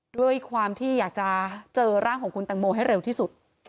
ด้วยความที่อยากจะเจอร่างของคุณตังโมให้เร็วที่สุด